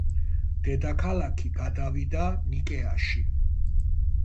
დედაქალაქი გადავიდა ნიკეაში.